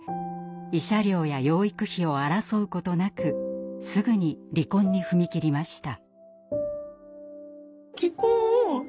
慰謝料や養育費を争うことなくすぐに離婚に踏み切りました。